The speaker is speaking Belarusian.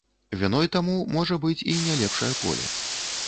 Віной таму можа быць і не лепшае поле.